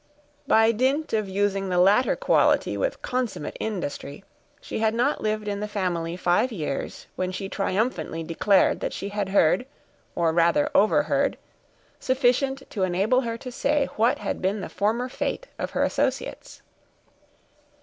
By dint of using the latter quality with consummate industry, she had not lived in the family five years when she triumphantly declared that she had heard, or rather overheard, sufficient to enable her to say what had been the former fate of her associates.